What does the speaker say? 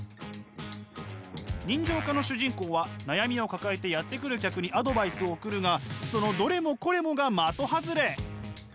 人情家の主人公は悩みを抱えてやって来る客にアドバイスを送るがそのどれもこれもが的外れ！